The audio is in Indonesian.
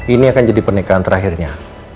ini akan jadi pernikahan terakhirnya